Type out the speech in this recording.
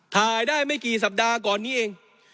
ถ่ายได้ไม่กี่สัปดาห์ก่อนนี้เอง